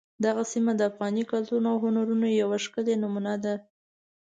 دغه سیمه د افغاني کلتور او هنرونو یوه ښکلې نمونه ده.